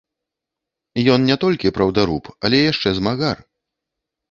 Ён не толькі праўдаруб, але яшчэ змагар.